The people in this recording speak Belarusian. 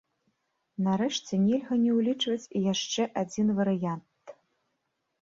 Нарэшце, нельга не ўлічваць і яшчэ адзін варыянт.